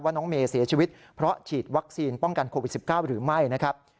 น้องเมย์เสียชีวิตเพราะฉีดวัคซีนป้องกันโควิด๑๙หรือไม่นะครับ